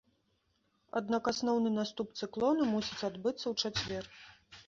Аднак асноўны наступ цыклону мусіць адбыцца ў чацвер.